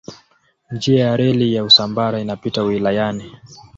Njia ya reli ya Usambara inapita wilayani.